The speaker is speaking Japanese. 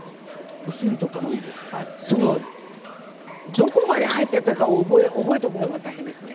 どこまで入っていたか覚えておくのが大変ですね。